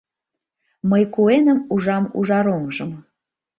Мый куэным ужам ужар оҥжым.